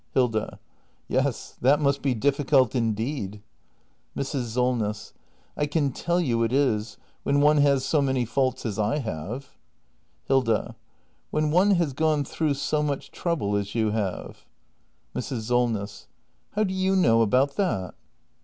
Hilda. Yes, that must be difficult indeed. Mrs. Solness. I can tell you it is — when one has so many faults as I have Hilda. When one has gone through so much trouble as you have Mrs. Solness. How do you know about that